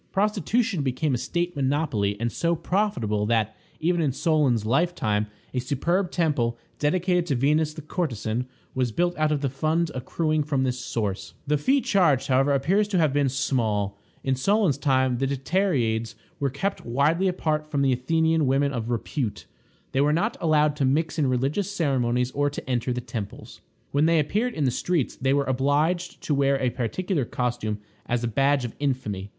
Prostitution became a state monopoly, and so profitable that, even in Solon's lifetime, a superb temple, dedicated to Venus the courtesan, was built out of the fund accruing from this source. The fee charged, however, appears to have been small. In Solon's time, the Dicteriades were kept widely apart from the Athenian women of repute. They were not allowed to mix in religious ceremonies or to enter the temples. When they appeared in the streets they were obliged to wear a particular costume as a badge of infamy.